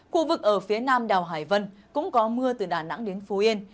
khu vực ở phía nam đào hải vân cũng có mưa từ đà nẵng đến phú yên